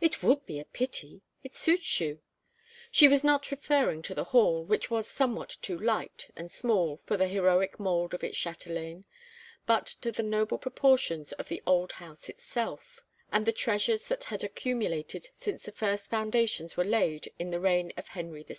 "It would be a pity; it suits you." She was not referring to the hall, which was somewhat too light and small for the heroic mould of its chatelaine, but to the noble proportions of the old house itself, and the treasures that had accumulated since the first foundations were laid in the reign of Henry VI.